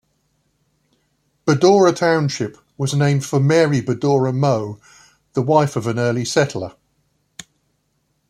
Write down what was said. Badoura Township was named for Mary Badoura Mow, the wife of an early settler.